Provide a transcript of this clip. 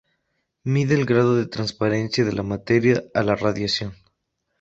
Mide el grado de transparencia de la materia a la radiación.